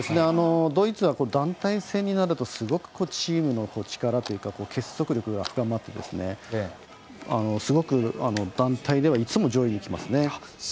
ドイツは団体戦になるとすごくチームの力というか結束力が深まってすごく団体ではいつも上位にきますね。